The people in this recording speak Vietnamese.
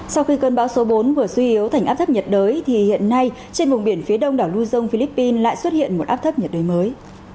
sau khi cơn bão số bốn vừa suy yếu thành áp thấp nhiệt đới thì hiện nay trên vùng biển phía đông đảo luzon philippines lại xuất hiện một áp thấp nhiệt đới mới